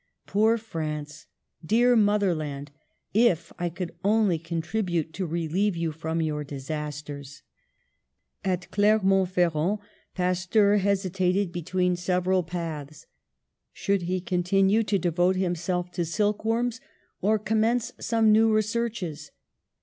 Poor France! Dear mother land! If I could only contribute to relieve you from your disasters!" At Clermont Ferrand Pasteur hesitated be 108 PASTEUR tween several paths. Should he continue to de vote himself to silk worms, or commence some new researches?